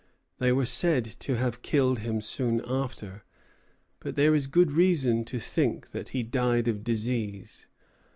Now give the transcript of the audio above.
They were said to have killed him soon after, but there is good reason to think that he died of disease.